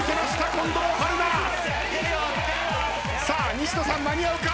西野さん間に合うか！？